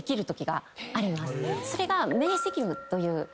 それが。